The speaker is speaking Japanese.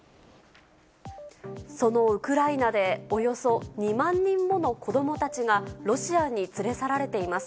そのウクライナで、およそ２万人もの子どもたちが、ロシアに連れ去られています。